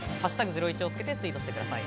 「＃ゼロイチ」をつけてツイートしてください。